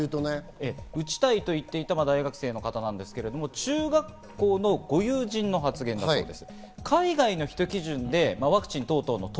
打ちたいと言っていた大学生の方ですけれども、中学校のご友人の方の発言だそうです。